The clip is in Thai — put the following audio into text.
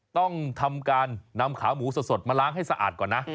ต้องทำการนำขาหมูสดมาล้างให้สะอาดก่อนนะ